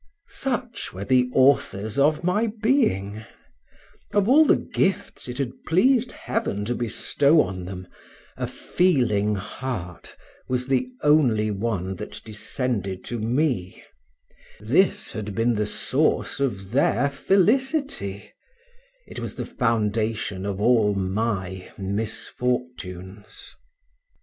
Such were the authors of my being: of all the gifts it had pleased Heaven to bestow on them, a feeling heart was the only one that descended to me; this had been the source of their felicity, it was the foundation of all my misfortunes.